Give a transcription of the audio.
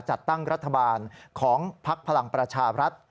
จัดตั้งรัฐบาลของพักพลังประชาบรัฐ